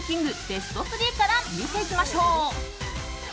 ベスト３から見ていきましょう。